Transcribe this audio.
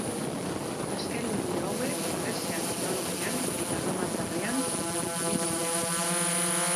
Azken liburu hauek greziar mitologian eta erromatarrean oinarriturik daude.